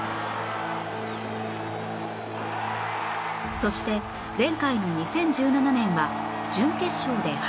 そして前回の２０１７年は準決勝で敗退